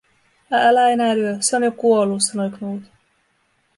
"Ä-älä enää lyö, se on jo kuollu", sanoi Knut.